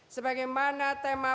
sebagai mana tema